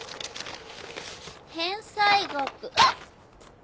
返済額あっ！